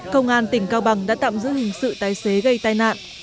công an tỉnh cao bằng đã tạm giữ hình sự tài xế gây tai nạn